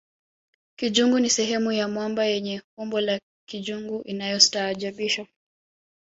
kijungu ni sehemu ya mwamba yenye umbo la kijungu inayostaajabisha